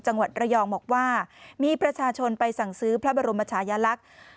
จังหวัดระยองบอกว่ามีประชาชนไปสั่งซื้อพระบรมชายลักษณ์